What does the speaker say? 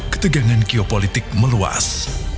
ketegangan kio politik meluas